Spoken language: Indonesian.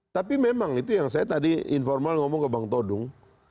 tapi memang itu yang saya tadi informal ngomong ke bang todung